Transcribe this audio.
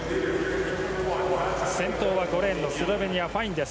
先頭は５レーンのスロバキアのファイン。